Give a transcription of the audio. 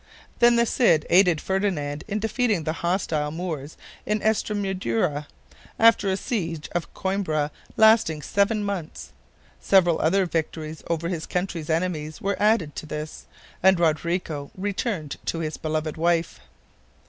Then the Cid aided Ferdinand in defeating the hostile Moors in Estremadura, after a siege of Coimbra lasting seven months. Several other victories over his country's enemies were added to this, and then Rodrigo returned to his beloved wife.